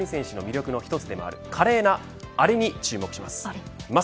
今日は大谷選手の魅力の１つでもある華麗なあれに注目します。